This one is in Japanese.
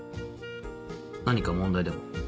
何か問題でも？